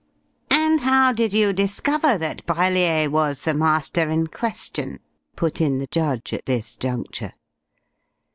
"And how did you discover that Brellier was the 'Master' in question?" put in the judge at this juncture.